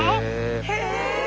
へえ！